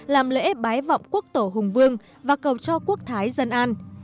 làm lễ bái vọng quốc tổ hùng vương và cầu cho quốc thái dân an